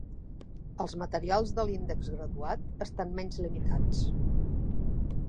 Els materials de l'índex graduat estan menys limitats.